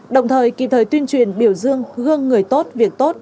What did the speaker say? đồng thời kịp thời tuyên truyền biểu dương gương người tốt việc tốt